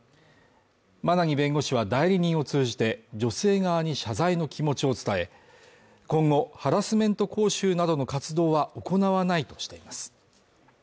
馬奈木弁護士は代理人を通じて、女性側に謝罪の気持ちを伝え、今後、ハラスメント講習などの活動は行わないとしています。